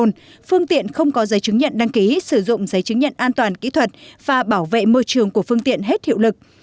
tại thời điểm bị phát hiện phương tiện không có giấy chứng nhận đăng ký sử dụng giấy chứng nhận an toàn kỹ thuật và bảo vệ môi trường của phương tiện hết hiệu lực